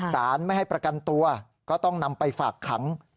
สารไม่ให้ประกันตัวก็ต้องนำไปฝากขัง